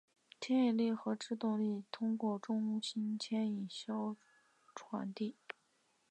牵引力和制动力通过中心牵引销传递。